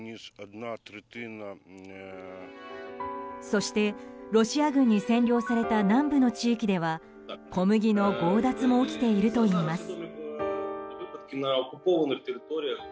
そして、ロシア軍に占領された南部の地域では小麦の強奪も起きているといいます。